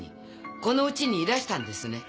この家にいらしたんですね。